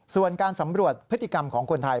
ส่วนการสำรวจพฤติกรรมของคนไทย